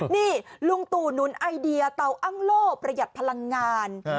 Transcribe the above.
นี่ลุงตู่หนุนไอเดียเตาอ้างโล่ประหยัดพลังงาน